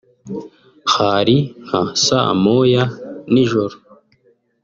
“Hari nka saa moya nijoro